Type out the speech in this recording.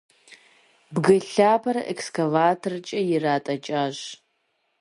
Бгы лъапэр экскаваторкӏэ иратӏэкӏащ.